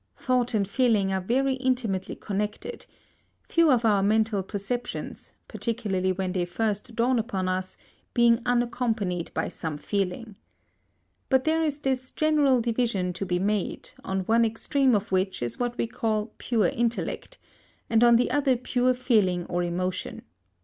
Thought and feeling are very intimately connected, few of our mental perceptions, particularly when they first dawn upon us, being unaccompanied by some feeling. But there is this general division to be made, on one extreme of which is what we call pure intellect, and on the other pure feeling or emotion.